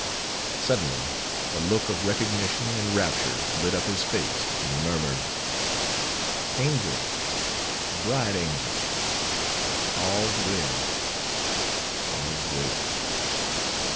Suddenly a look of recognition and rapture lit up his face, and he murmured, "Angels, bright angels, all's well, all's well!"